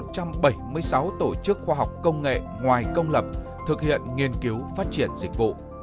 một trăm bảy mươi sáu tổ chức khoa học công nghệ ngoài công lập thực hiện nghiên cứu phát triển dịch vụ